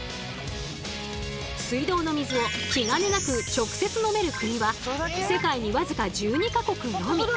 水道の水を気兼ねなく直接飲める国は世界に僅か１２か国のみ。